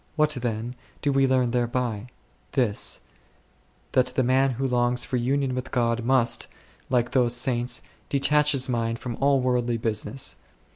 What, then, do we learn there by ? This : that the man who longs for union with God must, like those saints, detach his ^ mind from all worldly business.